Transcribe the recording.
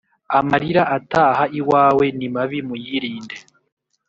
Amarira ataha iwawe ni mabi muyirinde.